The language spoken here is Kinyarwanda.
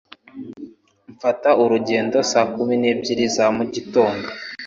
Mfata urugendo saa kumi n'ebyiri za mu gitondo.